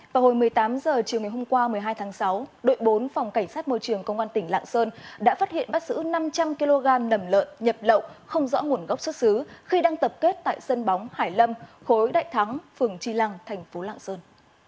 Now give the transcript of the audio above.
vào hồi một mươi tám h chiều ngày hôm qua một mươi hai tháng sáu đội bốn phòng cảnh sát môi trường công an tỉnh lạng sơn đã phát hiện bắt giữ năm trăm linh kg nầm lợn nhập lậu không rõ nguồn gốc xuất xứ khi đang tập kết tại sân bóng hải lâm khối đại thắng phường tri lăng thành phố lạng sơn